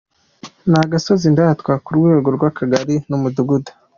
NAgasozi Ndatwa: ku rwego rwAkagari nUmudugudu.